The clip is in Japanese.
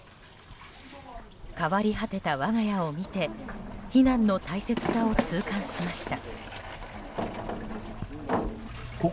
変わり果てた我が家を見て避難の大切さを痛感しました。